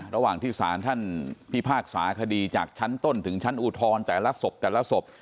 ระหว่างที่สารท่านพิพากษาคดีจากชั้นต้นถึงชั้นอุทธรณ์แต่ละศพแต่ละศพ